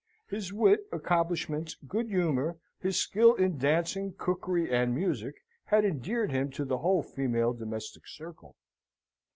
His wit, accomplishments, good humour, his skill in dancing, cookery, and music, had endeared him to the whole female domestic circle.